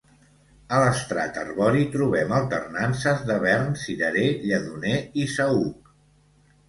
A l'estrat arbori trobem alternances de vern, cirerer, lledoner i saüc.